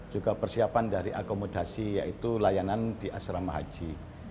juga persiapan dari akomodasi yaitu layanan di asrama haji